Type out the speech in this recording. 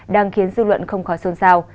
đang khiến dư luận không khó xôn xao